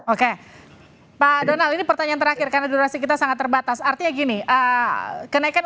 oke pak donald ini pertanyaan terakhir karena durasi kita sangat terbatas artinya gini kenaikan